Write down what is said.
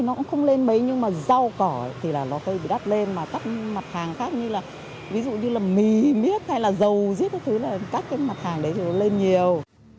cá thì nó cũng không lên mấy nhưng mà rau cỏ thì nó có thể bị đắt lên mà các mặt hàng khác như là ví dụ như là mì miếp hay là dầu giết các thứ là các cái mặt hàng đấy thì nó lên nhiều